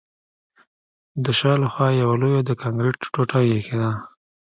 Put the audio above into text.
د شا له خوا یوه لویه د کانکریټ ټوټه ایښې ده